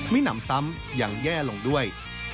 หนำซ้ำยังแย่ลงด้วย